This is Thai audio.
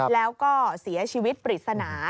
แล้วก็เสียชีวิตปริศนา